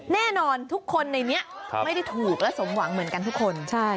แน่นอนทุกคนในนี้ไม่ได้ถูกและสมหวังเหมือนกันทุกคน